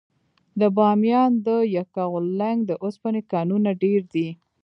د بامیان د یکاولنګ د اوسپنې کانونه ډیر دي.